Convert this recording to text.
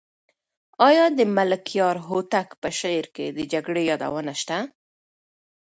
آیا د ملکیار هوتک په شعر کې د جګړې یادونه شته؟